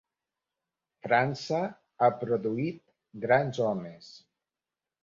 França ha produït grans homes.